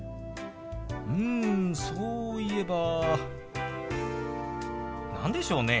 うんそういえば何でしょうね。